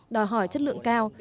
đòi hỏi chất lượng cao